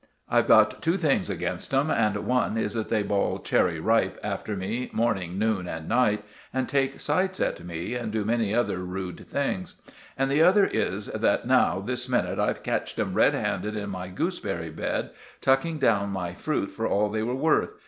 I've two things against 'em, and one is that they bawl 'Cherry Ripe' after me morning, noon, and night, and take sights at me, and do many other rude things; and the other is that now, this minute, I've catched 'em red handed in my gooseberry bed, tucking down my fruit for all they were worth.